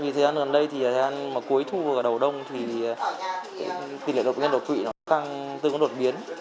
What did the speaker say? thời gian gần đây cuối thu vào đầu đông tỉ lệ đột bệnh nhân đột quỵ tương có đột biến